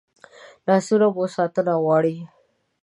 لاسونه مو ساتنه غواړي